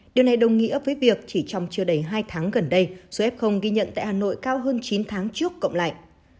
điều này đồng nghĩa với việc chỉ trong chưa đầy hai tháng gần đây số f ghi nhận tại hà nội cao hơn chín tháng trước cộng lại